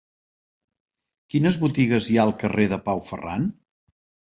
Quines botigues hi ha al carrer de Pau Ferran?